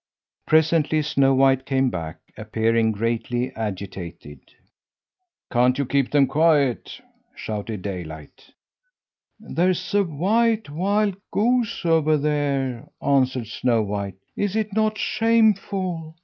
Presently Snow White came back, appearing greatly agitated. "Can't you keep them quiet?" shouted Daylight. "There's a white wild goose over there," answered Snow White. "Is it not shameful?